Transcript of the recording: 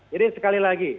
jadi sekali lagi